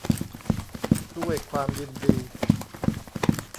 ด้วยความยินดี